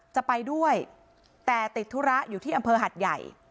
จะไปด้วยแต่ติดธุระอยู่ที่อำเภอหัดใหญ่